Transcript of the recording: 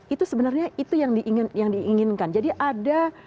itu sebenarnya itu yang diinginkan jadi ada